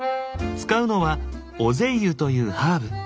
使うのはオゼイユというハーブ。